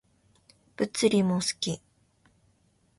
物理も好き